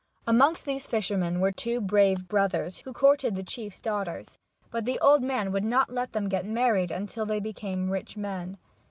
Amongst these fishermen were two brave brothers, who courted the chiefs daughters, but the old man would not let them get married until they became rich men.